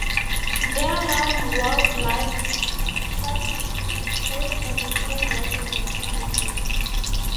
Durham Wildlife Trust plays an important role in the Partnership.